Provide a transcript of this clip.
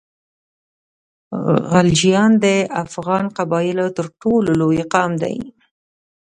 غلجیان د افغان قبایلو تر ټولو لوی قام دی.